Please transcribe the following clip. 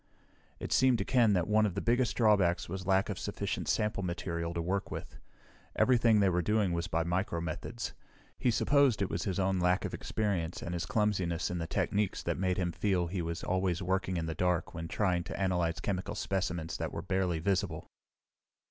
It seemed to Ken that one of the biggest drawbacks was lack of sufficient sample material to work with. Everything they were doing was by micromethods. He supposed it was his own lack of experience and his clumsiness in the techniques that made him feel he was always working in the dark when trying to analyze chemical specimens that were barely visible.